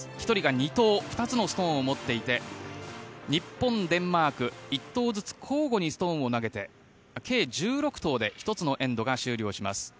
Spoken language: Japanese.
１人が２投２つのストーンを持っていて日本、デンマーク１投ずつ交互にストーンを投げて計１６投で１つのエンドが終了します。